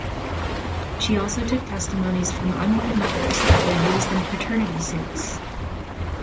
She also took testimonies from unwed mothers that was used in paternity suits.